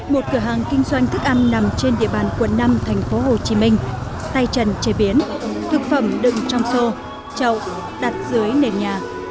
một cửa hàng kinh doanh thức ăn nằm trên địa bàn quận năm thành phố hồ chí minh tay trần chế biến thực phẩm đựng trong xô chậu đặt dưới nền nhà